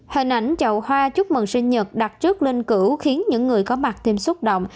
hình ảnh chậu hoa chúc mừng sinh nhật đặt trước lên cửu khiến những người có mặt thêm xúc động